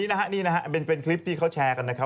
นี่นะฮะนี่นะครับเป็นคลิปที่เขาแชร์กันนะครับ